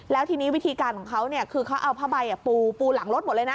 แล้วทีนี้วิธีการของเขาคือเขาเอาผ้าใบปูหลังรถหมดเลยนะ